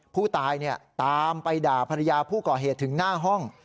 ผู้ตายตามไปด่าภรรยาผู้ก่อเหตุถึงหน้าห้อง